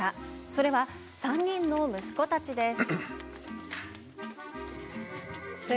それは３人の息子たちです。